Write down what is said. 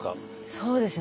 そうですね